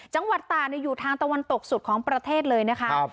จังหวัดตาอยู่ทางตะวันตกสุดของประเทศเลยนะคะ